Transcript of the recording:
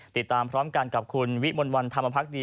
ติดตามพร้อมกันกับคุณวิมลวันธรรมพักดี